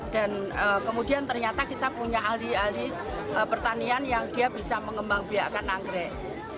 dan kemudian ternyata kita punya ahli ahli pertanian yang dia bisa mengembang biarkan anggrek